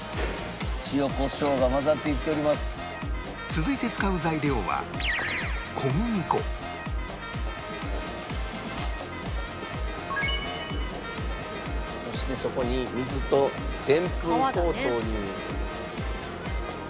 続いて使う材料は小麦粉そしてそこに水とでんぷん粉を投入。